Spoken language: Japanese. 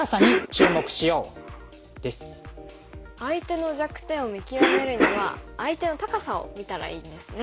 相手の弱点を見極めるには相手の高さを見たらいいんですね。